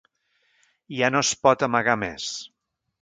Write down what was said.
Ja no es pot amagar més.